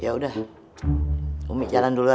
yaudah umi jalan duluan ya